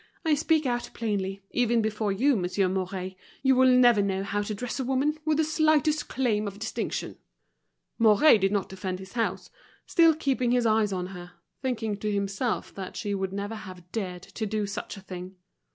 I speak out plainly, even before you, Monsieur Mouret; you will never know how to dress a woman with the slightest claim to distinction." Mouret did not defend his house, still keeping his eyes on her, thinking to himself that she would never have dared to do such a thing.